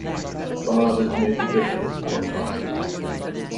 Bob has made the difference in profit.